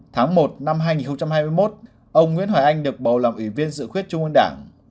tháng một năm hai nghìn hai mươi một ông nguyễn hoài anh được bầu làm ủy viên dự khuyết trung ương đảng